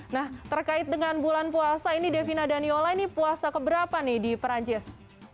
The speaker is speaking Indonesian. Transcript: nah terkait dengan bulan puasa ini devina daniola ini puasa keberapa nih di perancis